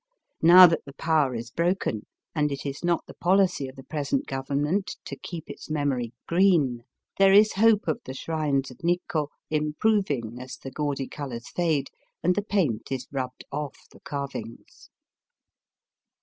Now that the power is broken, and it is not the policy of the present Govern ment to keep its memory green, there is hope of the shrines of Nikko improving as the gaudy colours fade and the paint is rubbed off the carvings.